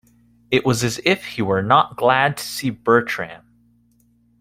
It was as if he were not glad to see Bertram.